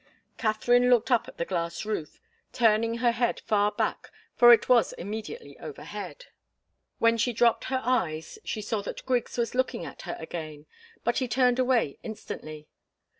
Katharine looked up at the glass roof, turning her head far back, for it was immediately overhead. When she dropped her eyes she saw that Griggs was looking at her again, but he turned away instantly.